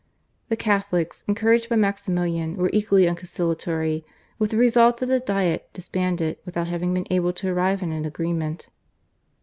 The Catholics, encouraged by Maximilian, were equally unconciliatory, with the result that the Diet disbanded without having been able to arrive at an agreement.